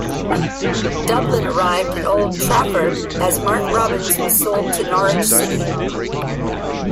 Dublin arrived at Old Trafford as Mark Robins was sold to Norwich City.